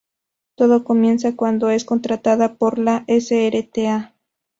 Todo comienza cuando es contratada por la Srta.